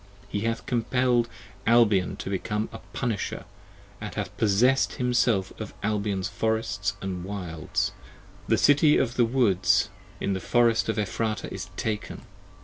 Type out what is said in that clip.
He hath compell'd Albion to become a Punisher & hath possess'd Himself of Albion's Forests & Wilds: and Jerusalem is taken, The City of the Woods in the Forest of Ephratah is taken!